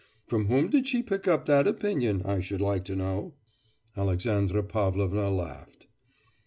From whom did she pick up that opinion I should like to know?' Alexandra Pavlovna laughed.